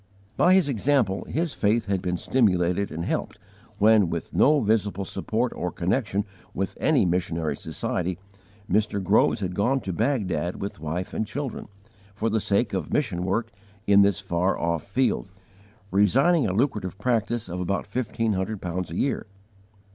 By his example his faith had been stimulated and helped when, with no visible support or connection with any missionary society, Mr. Groves had gone to Baghdad with wife and children, for the sake of mission work in this far off field, resigning a lucrative practice of about fifteen hundred pounds a year.